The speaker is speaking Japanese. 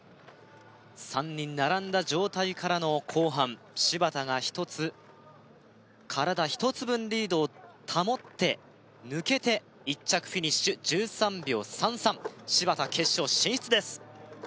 ３人並んだ状態からの後半芝田が一つ体一つ分リードを保って抜けて１着フィニッシュ１３秒３３芝田決勝進出です